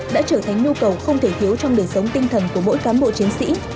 đã trở thành nhu cầu không thể thiếu trong đời sống tinh thần của mỗi cán bộ chiến sĩ